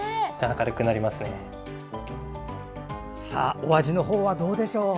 お味の方はどうでしょう？